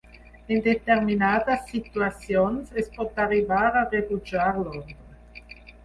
En determinades situacions es pot arribar a rebutjar l’ordre.